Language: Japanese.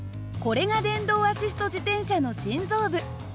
これが電動アシスト自転車の心臓部。